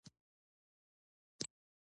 موږ هغه تر قضایي قانون لاندې راوستی شو.